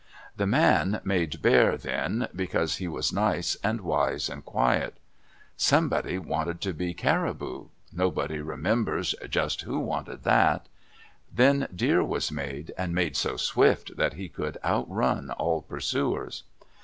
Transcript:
The man made Bear then, because he was nice and wise and quiet. Somebody wanted to be Caribou—nobody remembers just who wanted that. Then Deer was made, and made so swift that he could outrun all pursuers.